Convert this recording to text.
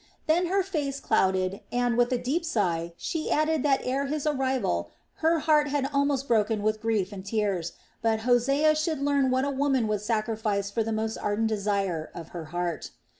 Then her face clouded and, with a deep sigh, she added that ere his arrival her heart had almost broken with grief and tears; but Hosea should learn what a woman would sacrifice for the most ardent desire of her heart.